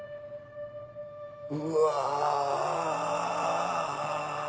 うわ。